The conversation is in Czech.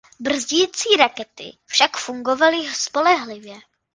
Brzdící rakety však fungovaly spolehlivě.